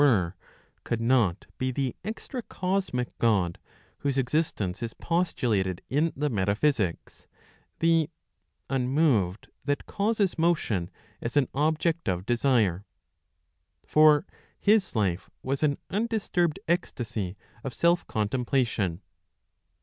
were, could not be the extra cosmic God whose existence is postulated in the Metaphysics, the " Unmoved that causes motion as an object of desire ;" for his life was an undisturbed ecstacy of self contemplation.